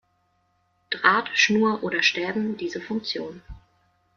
Draht, Schnur oder Stäben, diese Funktion.